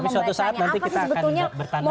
tapi suatu saat nanti kita akan bertanah ke belakangnya